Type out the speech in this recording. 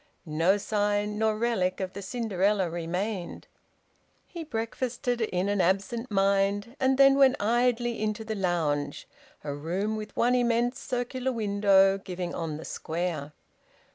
No sign nor relic of the Cinderella remained. He breakfasted in an absent mind, and then went idly into the lounge, a room with one immense circular window, giving on the Square.